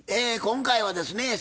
今回はですね